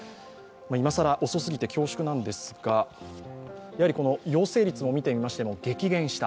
今更遅すぎて恐縮なんですが、陽性率を見てみましても激減した。